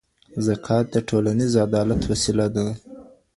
زکات د ټولنیز عدالت وسیله ده.